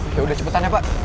yaudah cepetan ya pak